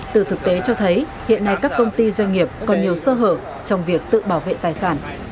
từ thực tế cho thấy hiện nay các công ty doanh nghiệp còn nhiều sơ hở trong việc tự bảo vệ tài sản